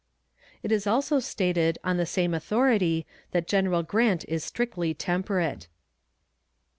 It is also stated on the same authority that General Grant is strictly temperate.